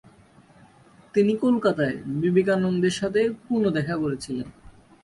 তিনি কলকাতায় বিবেকানন্দের সাথে পুনদেখা করছিলেন।